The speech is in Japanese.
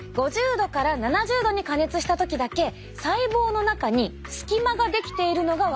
℃から７０℃に加熱した時だけ細胞の中に隙間が出来ているのが分かりますか？